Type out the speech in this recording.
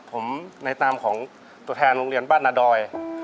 ผมในตามของตัวแทนโรงเรียนบ้านนาดอย